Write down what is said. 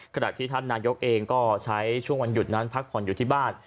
ขณะที่ท่านนายกเองก็ใช้ช่วงวันหยุดนั้นพักผ่อนอยู่ที่บ้าน